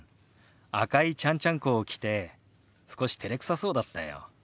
赤いちゃんちゃんこを着て少してれくさそうだったよ。